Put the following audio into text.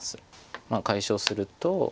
解消すると。